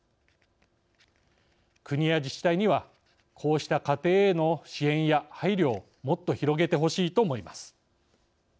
国や自治体にはこうした家庭への支援や配慮をもっと広げてほしいと思います。